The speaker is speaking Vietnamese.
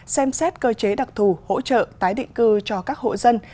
xem xét cơ chế đặc thù hỗ trợ tái định cư cho các hộ dân